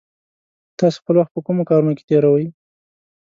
تاسې خپل وخت په کومو کارونو کې تېروئ؟